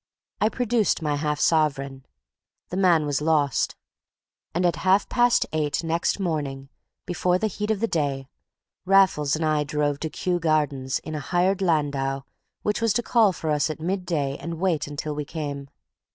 I produced my half sovereign. The man was lost. And at half past eight next morning—before the heat of the day—Raffles and I drove to Kew Gardens in a hired landau which was to call for us at mid day and wait until we came.